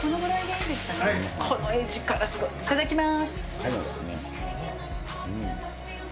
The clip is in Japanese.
いただきます。